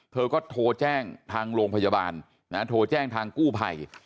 เธอก็โทรแจ้งทางโรงพยาบาลโทรแจ้งทางกู้ภัย